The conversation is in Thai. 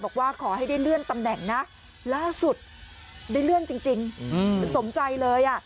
บอกว่าขอให้ได้เลื่อนตำแหน่งนะล่าสุดได้เลื่อนจริงสมใจเลยอ่ะ